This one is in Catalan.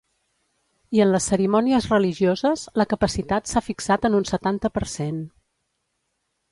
I en les cerimònies religioses, la capacitat s’ha fixat en un setanta per cent.